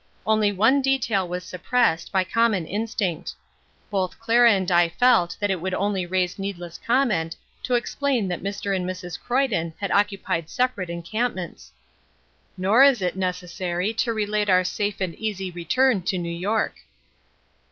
Only one detail was suppressed, by common instinct. Both Clara and I felt that it would only raise needless comment to explain that Mr. and Mrs. Croyden had occupied separate encampments. Nor is it necessary to relate our safe and easy return to New York.